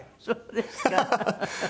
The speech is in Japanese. そうですか。